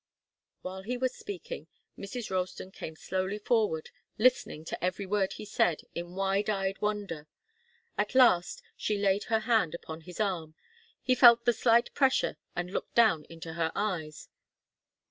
While he was speaking, Mrs. Ralston came slowly forward, listening to every word he said, in wide eyed wonder. At last she laid her hand upon his arm. He felt the slight pressure and looked down into her eyes.